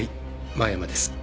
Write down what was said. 間山です。